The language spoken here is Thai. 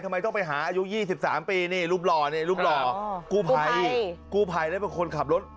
ทำไมต้องไปหาอายุ๒๓ปีนี่รูปรอนี่รูปรอกู้ไผแล้วเป็นคนขับรถ